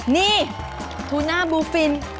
นี่ทูน่าบูฟิน